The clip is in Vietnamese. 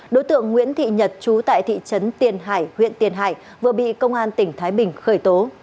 đối tượng nguyễn thị nhật chú tại thị trấn tiền hải huyện tiền hải vừa bị công an tỉnh thái bình khởi tố